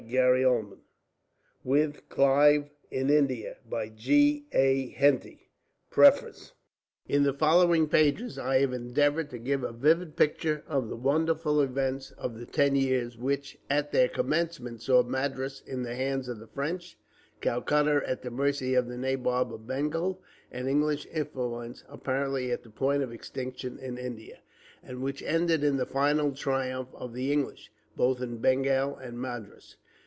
Chapter 29: The Siege Of Pondicherry. Chapter 30: Home. Preface. In the following pages I have endeavoured to give a vivid picture of the wonderful events of the ten years, which at their commencement saw Madras in the hands of the French Calcutta at the mercy of the Nabob of Bengal and English influence apparently at the point of extinction in India and which ended in the final triumph of the English, both in Bengal and Madras.